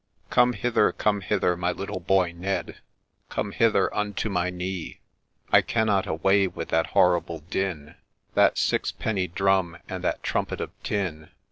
] hither, come hither, my little boy Ned I \_J Come hither unto my knee — I cannot away with that horrible din, That sixpenny drum, and that trumpet of tin.